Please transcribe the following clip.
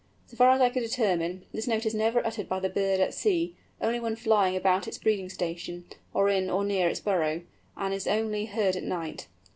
So far as I could determine, this note is never uttered by the bird at sea, only when flying about its breeding station, or in or near its burrow, and is only heard at night.